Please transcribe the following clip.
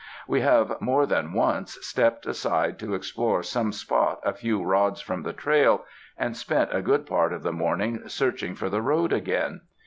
We have more than once stepped aside to explore some spot a few rods from the trail, and spent a good part of the morning searching for the road again.